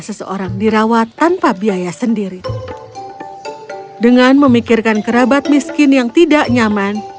seseorang dirawat tanpa biaya sendiri dengan memikirkan kerabat miskin yang tidak nyaman